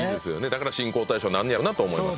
だから信仰対象なんねやろなと思います。